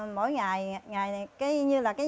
mỗi ngày như là cái nhan thì ngày nào người ta cũng đốt